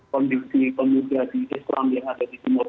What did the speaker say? kondisi pemuda di islam yang ada di timur